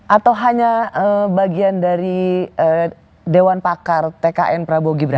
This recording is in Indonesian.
atau hanya bagian dari dewan pakar tkn prabowo gibran